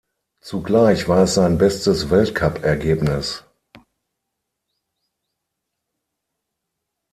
Zugleich war es sein bestes Weltcupergebnis.